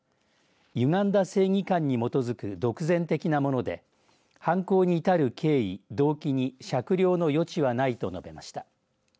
ゆがんだ正義感に基づく独善的なもので犯行に至る経緯動機に酌量の余地はないと述べました。